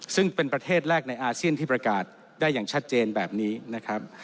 ซึ่งเป็นประเทศแรกในอาเซียนที่ประกาศได้อย่างชัดเจนแบบนี้นะครับ